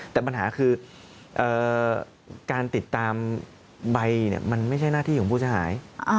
แต่ปัญหาคือการติดตามใบมันไม่ใช่หน้าที่ของผู้เสียหาย